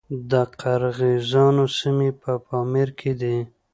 د قرغیزانو سیمې په پامیر کې دي